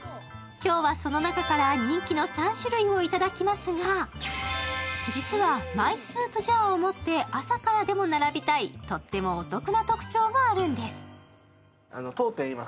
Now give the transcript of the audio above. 今日はその中から人気の３種類をいただきますが、実はマイスープジャーを持って朝からでも並びたい、とってもお得な特徴があるんです。